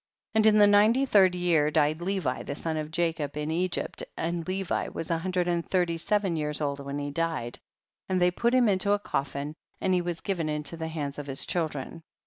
And in the ninety third year died Levi the son of Jacob in Egypt, and Levi was a hundred and thirty seven years old when he died, and they put him into a colfin and he was given into the hands of his children.